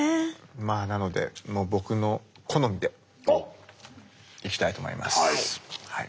まあなのでもう僕の好みでいきたいと思います。